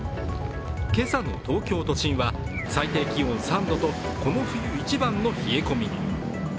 今朝の東京都心は最低気温３度とこの冬一番の冷え込みに。